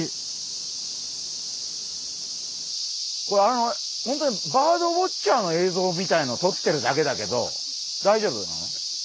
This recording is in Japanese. これ本当にバードウォッチャーの映像みたいのをとってるだけだけど大丈夫なの？